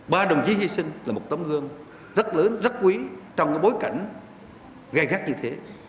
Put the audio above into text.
ba đồng chí hy sinh là một tấm gương rất lớn rất quý trong bối cảnh gai gắt như thế